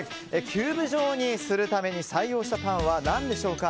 キューブ状にするために採用したパンは何でしょうか。